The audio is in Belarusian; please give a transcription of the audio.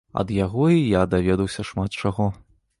Ад яго і я даведаўся шмат чаго.